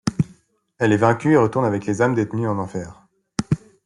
Elle est vaincue et retourne avec les âmes détenues en enfer.